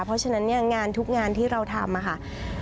เพราะฉะนั้นงานทุกงานที่เราทำ